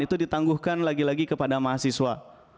itu ditangguhkan lagi lagi kepada mahasiswa